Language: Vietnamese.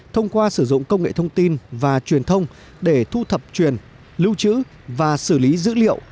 thông qua sử dụng công nghệ thông tin và truyền thông để thu thập truyền lưu trữ và xử lý dữ liệu